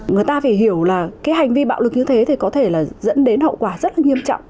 người ta phải hiểu là cái hành vi bạo lực như thế thì có thể là dẫn đến hậu quả rất là nghiêm trọng